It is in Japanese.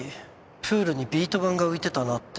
プールにビート板が浮いてたなって。